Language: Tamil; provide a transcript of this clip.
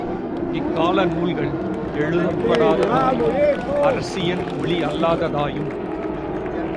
இக்கால நூல்கள் எழுதப்படாததாயும், அரசியன் மொழியல்லாததாயும்